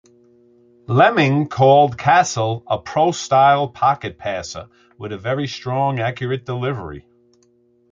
Lemming called Cassel a pro-style pocket passer with a very strong, accurate delivery.